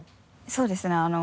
そうですね。